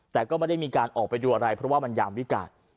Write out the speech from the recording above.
แต่ก็ไม่ได้มีการออกไปดูอะไรเพราะว่ามันยามวิการ